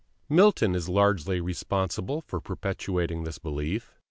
Milton is largely responsible for perpetuating this belief.